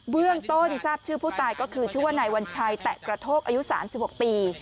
เบื้องต้นทราบชื่อผู้ตายก็คือชื่อว่านายวัญชัยแตะกระโทกอายุ๓๖ปี